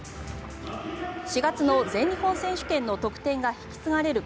４月の全日本選手権の得点が引き継がれる